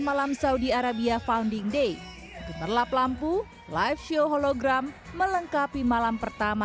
malam saudi arabia founding day gemerlap lampu live show hologram melengkapi malam pertama